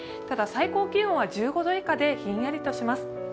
ただ、最高気温は１５度以下でひんやりとします。